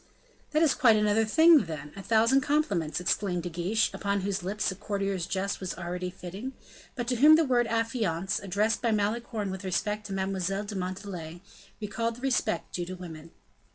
"That is quite another thing, then; a thousand compliments," exclaimed De Guiche, upon whose lips a courtier's jest was already fitting, but to whom the word "affianced," addressed by Malicorne with respect to Mademoiselle de Montalais, recalled the respect due to women.